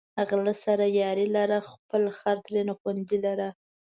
غله سره یاري لره، خپل خر ترېنه خوندي لره